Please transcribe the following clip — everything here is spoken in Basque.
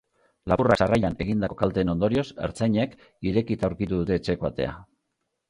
Lapurrak sarrailan egindako kalteen ondorioz, ertzainek irekita aurkitu dute etxeko atea.